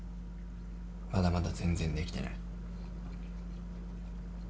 まだまだ全然できてない。